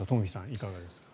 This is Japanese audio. いかがですか。